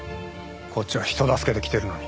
こっちは人助けで来てるのに。